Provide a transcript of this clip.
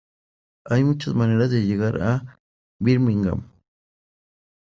Hay muchas maneras de llegar a Birmingham.